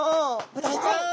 ブダイちゃん。